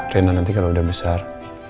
rena nanti kalau udah besar